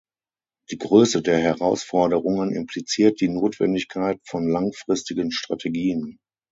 Die Größe der Herausforderungen impliziert die Notwendigkeit von langfristigen Strategien.